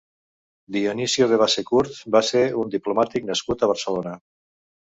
Dionisio de Bassecourt va ser un diplomàtic nascut a Barcelona.